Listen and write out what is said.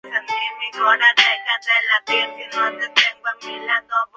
Esta potencia extra creaba problemas debido a las vibraciones.